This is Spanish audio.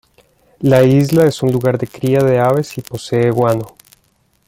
La isla es un lugar de cría de aves y posee guano.